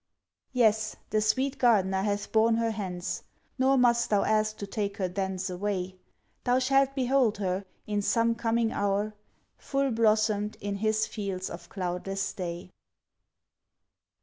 Yes, the sweet Gardener hath borne her hence, Nor must thou ask to take her thence away; Thou shalt behold her, in some coming hour, Full blossomed in his fields of cloudless day.